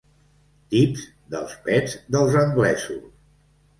Tips dels pets dels anglesos.